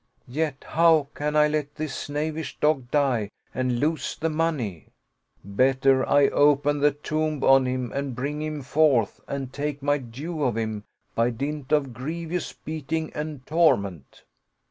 Yet how can I let this knavish dog die and lose the money ? Better I open the tomb on him and bring him forth and take my due of him by dint of grievous beating and torment."